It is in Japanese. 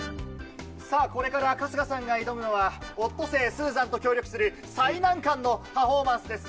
さぁこれから春日さんが挑むのは、オットセイ・スーザンと協力する最難関のパフォーマンスです。